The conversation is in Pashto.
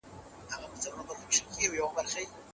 علمي سیمینار په اسانۍ سره نه منظوریږي.